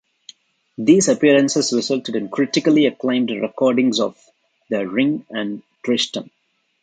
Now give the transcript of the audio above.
These appearances resulted in critically acclaimed recordings of the "Ring" and "Tristan".